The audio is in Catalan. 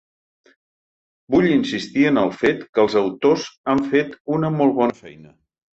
Vull insistir en el fet que els autors han fet una molt bona feina.